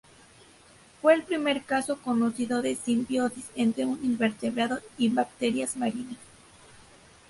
Fue el primer caso conocido de simbiosis entre un invertebrado y bacterias marinas.